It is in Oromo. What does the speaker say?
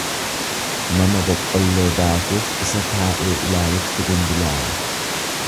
Nama boqqolloo daakuuf isa taa'ee ilaalutti dinbilaala.